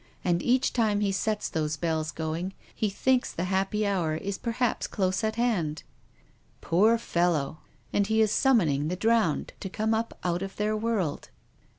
And each time he sets those bells going he thinks the happy hour is perhaps close at hand." " Poor fellow ! And he is summoning the drowned to come up out of their world."